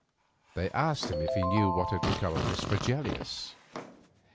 They asked him if he knew what had become of Miss Fregelius.